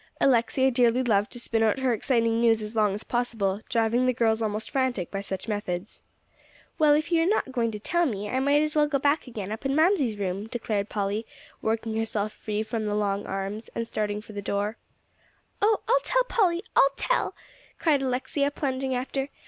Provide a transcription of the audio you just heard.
Alexia dearly loved to spin out her exciting news as long as possible, driving the girls almost frantic by such methods. "Well, if you are not going to tell me, I might as well go back again, up in Mamsie's room," declared Polly, working herself free from the long arms, and starting for the door. "Oh, I'll tell, Polly I'll tell," cried Alexia, plunging after.